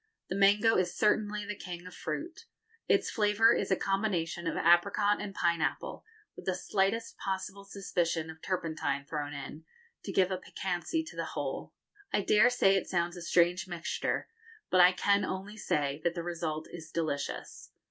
The mango is certainly the king of fruit. Its flavour is a combination of apricot and pineapple, with the slightest possible suspicion of turpentine thrown in, to give a piquancy to the whole. I dare say it sounds a strange mixture, but I can only say that the result is delicious.